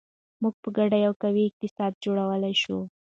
موږ په ګډه یو قوي اقتصاد جوړولی شو.